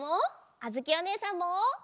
あづきおねえさんも！